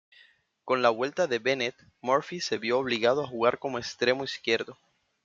Con la vuelta de Bennett, Murphy se vio obligado a jugar como extremo izquierdo.